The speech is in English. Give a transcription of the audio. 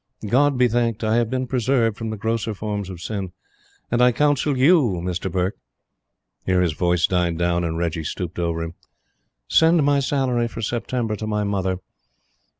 God be thanked, I have been preserved from the grosser forms of sin; and I counsel YOU, Mr. Burke...." Here his voice died down, and Reggie stooped over him. "Send my salary for September to my mother....